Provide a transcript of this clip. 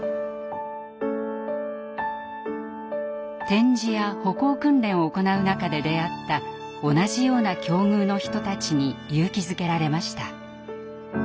点字や歩行訓練を行う中で出会った同じような境遇の人たちに勇気づけられました。